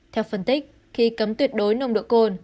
theo phân tích khi cấm tuyệt đối nồng độ cồn